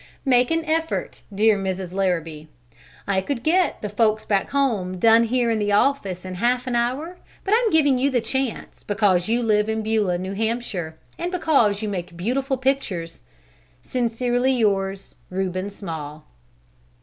Make an effort, dear Mrs. Larrabee! I could get "the folks back home" done here in the office in half an hour, but I'm giving you the chance because you live in Beulah, New Hampshire, and because you make beautiful pictures. Sincerely yours, REUBEN SMALL.